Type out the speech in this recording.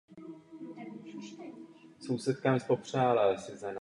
Jako hymna se používá pouze instrumentální verze.